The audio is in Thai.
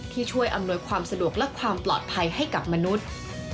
ที่ช่วยอำนวยความสะดวกและความปลอดภัยให้กับมนุษย์